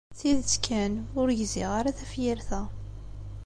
Tidet kan, ur gziɣ ara tafyirt-a.